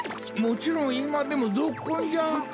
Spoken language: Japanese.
もちろんいまでもぞっこんじゃ！